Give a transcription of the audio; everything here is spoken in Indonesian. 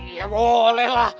iya boleh lah